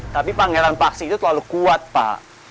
tapi pangeran paksi itu terlalu kuat pak